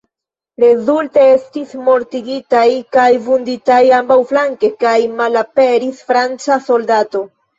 Rezulte estis mortigitaj kaj vunditaj ambaŭflanke, kaj malaperis franca soldato.